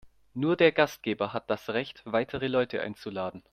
Nur der Gastgeber hat das Recht, weitere Leute einzuladen.